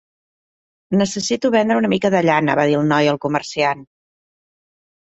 "Necessito vendre una mica de llana", va dir el noi al comerciant.